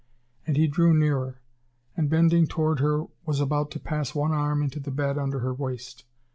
And he drew nearer, and bending toward her was about to pass one arm into the bed under her waist.